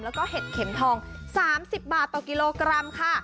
แล้วก็เห็ดเข็มทอง๓๐บาทต่อกิโลกรัมค่ะ